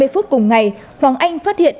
hai mươi phút cùng ngày hoàng anh phát hiện